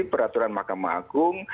peraturan mahkamah agung